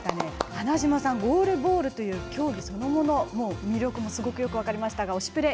花島さんゴールボールという競技そのもの、魅力もすごくよく分かりましたが「推しプレ！」